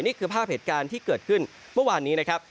นี่คือภาพเหตุการณ์ที่เกิดขึ้นเมื่อวานนี้นะครับ